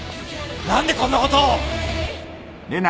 何でこんなことを！